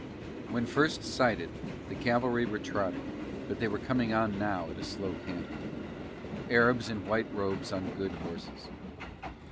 When first sighted the cavalry were trotting but they were coming on now at a slow canter. Arabs in white robes on good horses.